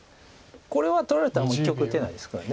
これは取られたらもう一局打てないですから。